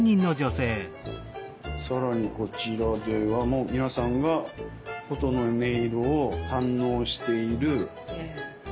更にこちらではもう皆さんが琴の音色を堪能している。